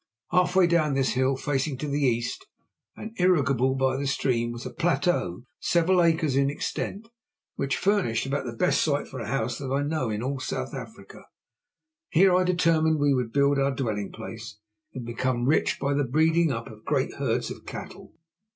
Half way down this hill, facing to the east, and irrigable by the stream, was a plateau several acres in extent, which furnished about the best site for a house that I know in all South Africa. Here I determined we would build our dwelling place and become rich by the breeding up of great herds of cattle.